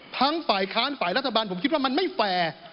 ฝ่ายค้านฝ่ายรัฐบาลผมคิดว่ามันไม่แฟร์